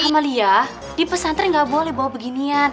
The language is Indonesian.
ambe liya di pesantren gak boleh bawa beginian